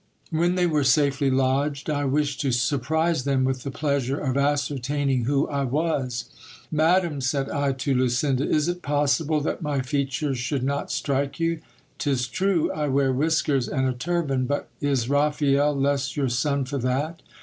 When they were safely lodged, I wished to surprise them with the pleasure of ascertaining who I was. Madam, said I to Lucinda, is it possible that my features should not strike you ? Tis true, I wear whiskers and a turban : but is Raphael less your son for that